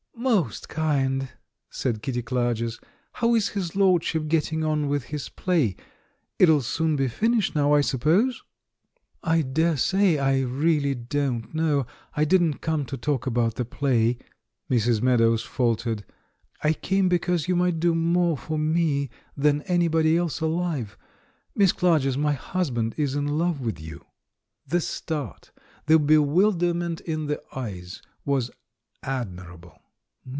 "Most kind!" said Kitty Clarges. "How is his lordship getting on with his play? It'U soon be finished now, I suppose?" "I daresay — I really don't know; I didn't come to talk about the play," Mrs. Meadows faltered; "I came because j^ou might do more for me than anybody else alive! Miss Clarges, my husband is in love with you." The start, the bewilderment in the eyes, was admirable.